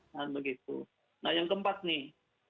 nah yang keempat nih